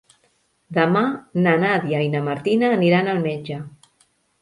Demà na Nàdia i na Martina aniran al metge.